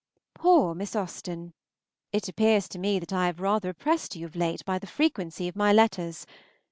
POOR Miss Austen! It appears to me that I have rather oppressed you of late by the frequency of my letters.